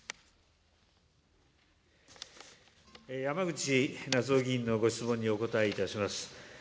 山口那津男議員のご質問にお答えいたします。